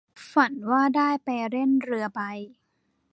ฝันว่าได้ไปเล่นเรือใบ